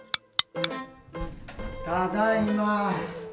ただいま。